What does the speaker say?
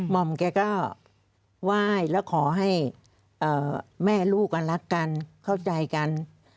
ห่อมแกก็ไหว้แล้วขอให้แม่ลูกรักกันเข้าใจกัน